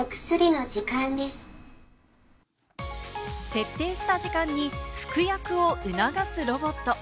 設定した時間に服薬を促すロボット。